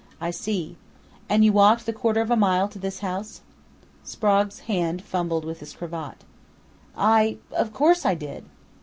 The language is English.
"I see. And you walked the quarter of a mile to this house?" Sprague's hand fumbled with his cravat. "I of course I did!"